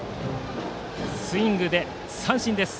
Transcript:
スイングで三振です。